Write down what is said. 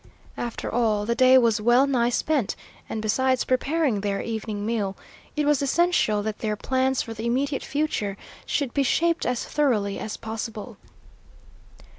After all, the day was well nigh spent, and, besides preparing their evening meal, it was essential that their plans for the immediate future should be shaped as thoroughly as possible.